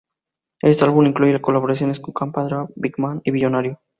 Este álbum incluye colaboraciones con Campa, Draw, Big Man y Millonario.